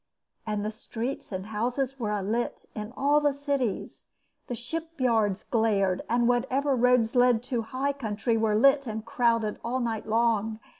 And the streets and houses were alight in all the cities, the shipyards glared, and whatever roads led to high country were lit and crowded all night long.